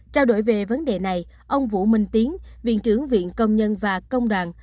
trao đổi về vấn đề này ông vũ minh tiến viện trưởng viện công nhân và công đoàn